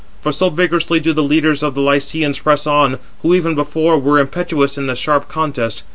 For so vigorously do the leaders of the Lycians press on, who even before were impetuous in the sharp contest.